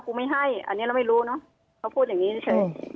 กูไม่ให้อันเนี้ยเราไม่รู้น่ะเขาพูดอย่างงี้นี่เฉย